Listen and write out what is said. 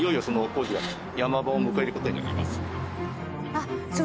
あっそう。